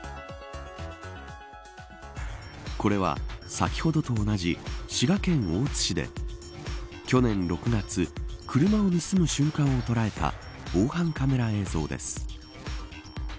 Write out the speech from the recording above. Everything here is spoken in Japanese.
これは、先ほどと同じ滋賀県大津市で去年６月車を盗む瞬間を捉えた防犯カメラ映像です。